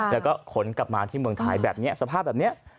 แล้วก็ขนกลับมาที่เมืองไทยแบบนี้สภาพแบบนี้